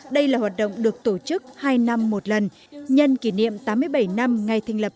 đây là hoạt động được tổ chức hai năm một lần nhân kỷ niệm tám mươi bảy năm ngày thành lập